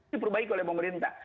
diperbaiki oleh pemerintah